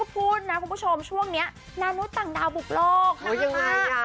พูดนะคุณผู้ชมช่วงเนี้ยนานุต่างดาวบุกโลกโอ้ยยังไงอ่ะ